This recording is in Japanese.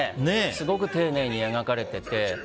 すごく丁寧に描かれていて。